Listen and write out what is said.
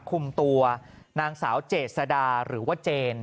คุมตัวนางสาวเจษดาหรือว่าเจน